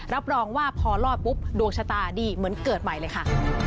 รับรองว่าพอรอดปุ๊บดวงชะตาดีเหมือนเกิดใหม่เลยค่ะ